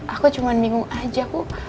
aku cuman bingung aja